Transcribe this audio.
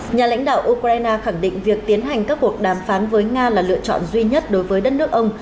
nhà lãnh đạo ukraine khẳng định việc tiến hành các cuộc đàm phán với nga là lựa chọn duy nhất đối với đất nước ông